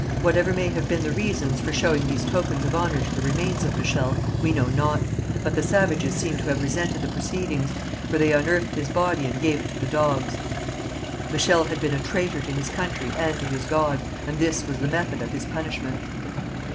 Whatever may have been the reasons for showing these tokens of honour to the remains of Michel, we know not, but the savages seem to have resented the proceedings, for they unearthed his body and gave it to the dogs. Michel had been a traitor to his country and to his God, and this was the method of his punishment.